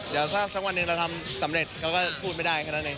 เดี๋ยวสักวันหนึ่งเราทำสำเร็จเราก็พูดไม่ได้แค่นั้นเอง